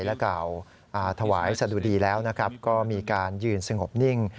และกล่าวถวายสะดุดีแล้วนะครับก็มีการยืนสงบนิ่ง